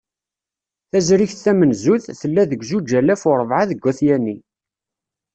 Tazrigt tamenzut, tella deg zuǧ alaf u rebεa deg At Yanni.